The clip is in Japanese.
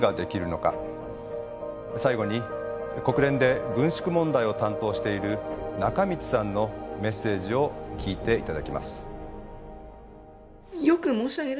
最後に国連で軍縮問題を担当している中満さんのメッセージを聞いていただきます。